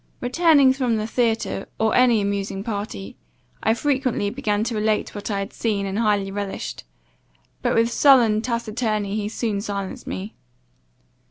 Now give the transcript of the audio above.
Returning from the theatre, or any amusing party, I frequently began to relate what I had seen and highly relished; but with sullen taciturnity he soon silenced me.